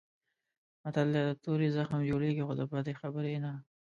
متل دی: د تورې زخم جوړېږي خو د بدې خبرې نه.